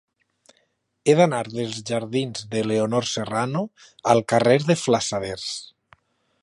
He d'anar dels jardins de Leonor Serrano al carrer de Flassaders.